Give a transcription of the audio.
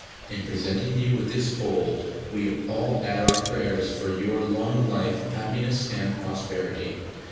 In presenting you with this bowl, we all add our prayers for your long life, happiness and prosperity.